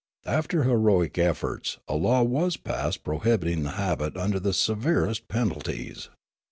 After heroic efforts, a law was passed pro hibiting the habit under the severest penalties.